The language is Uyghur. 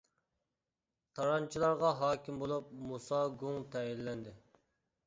تارانچىلارغا ھاكىم بولۇپ مۇسا گۇڭ تەيىنلەندى.